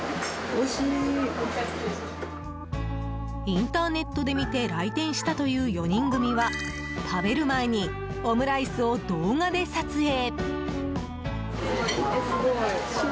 インターネットで見て来店したという４人組は食べる前にオムライスを動画で撮影。